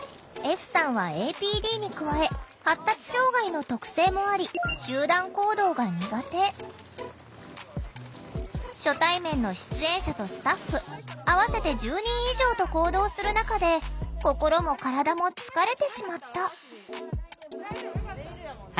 歩さんはＡＰＤに加え発達障害の特性もあり初対面の出演者とスタッフ合わせて１０人以上と行動する中で心も体も疲れてしまった。